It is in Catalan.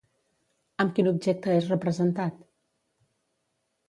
Amb quin objecte és representat?